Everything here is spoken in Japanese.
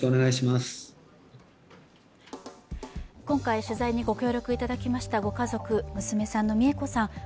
今回取材にご協力いただきましたご家族娘さんの美枝子さん